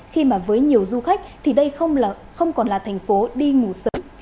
khi mà với nhiều du khách thì đây không còn là thành phố đi ngủ